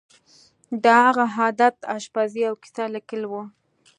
د هغه عادت آشپزي او کیسه لیکل وو